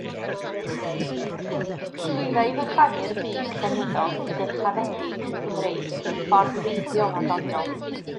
Llwydda i fychanu'r byd llenyddol dyrchafedig Cymreig mewn ffordd wreiddiol a doniol.